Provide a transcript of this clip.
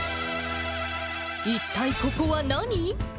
一体ここは何？